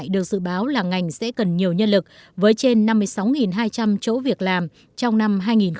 dự báo là ngành sẽ cần nhiều nhân lực với trên năm mươi sáu hai trăm linh chỗ việc làm trong năm hai nghìn một mươi chín